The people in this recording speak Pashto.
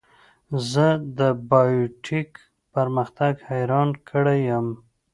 زه د بایو ټیک پرمختګ حیران کړی یم.